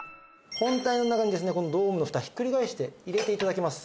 本体の中にですねこのドームのフタひっくり返して入れて頂きます。